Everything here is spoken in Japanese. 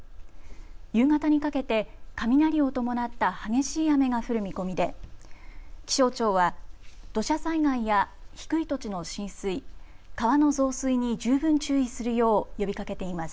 夕方にかけて雷を伴った激しい雨が降る見込みで気象庁は土砂災害や低い土地の浸水、川の増水に十分注意するよう呼びかけています。